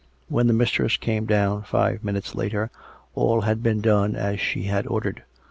When the mistress came down five minutes later, all had been done as she had ordered.